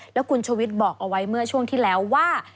แล้วคุณชวิตบอกเอาไว้เมื่อช่วงที่แล้วว่า